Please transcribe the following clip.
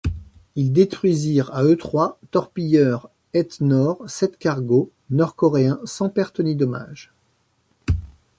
Ils détruisirent à eux trois torpilleurs etenord sept cargos nord-coréens sans perte ni dommage.